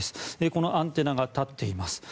このアンテナが立っています。